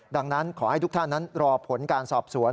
ดังนั้นขอให้ทุกท่านนั้นรอผลการสอบสวน